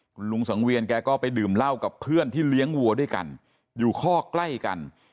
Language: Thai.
คุณลุงสังเวียนแกก็ไปดื่มเหล้ากับเพื่อนที่เลี้ยงวัวด้วยกันอยู่คอกใกล้กัน